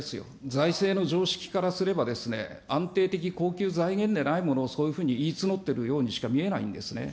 財政の常識からすれば、安定的、恒久財源でないものをそういうふうに言い募っているようにしか見えないんですね。